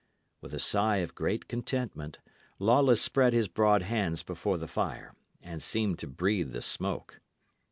With a sigh of great contentment, Lawless spread his broad hands before the fire, and seemed to breathe the smoke.